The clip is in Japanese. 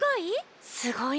すごい？